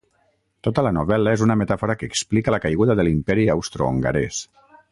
Tota la novel·la és una metàfora que explica la caiguda de l'Imperi Austrohongarès.